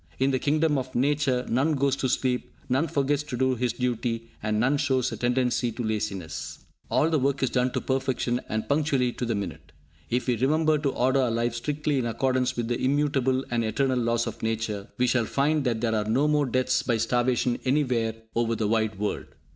In the kingdom of Nature, none goes to sleep, none forgets to do his duty, and none shows a tendency to laziness. All the work is done to perfection, and punctually to the minute. If we remember to order our lives strictly in accordance with the immutable and eternal laws of Nature, we shall find that there are no more deaths by starvation anywhere over the wide world.